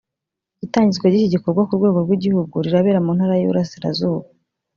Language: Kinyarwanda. Itangizwa ry’iki gikorwa ku rwego rw’igihugu rirabera mu Ntara y’Iburasirazuba